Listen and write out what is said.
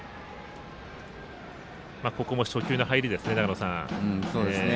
ここも初球の入りですね。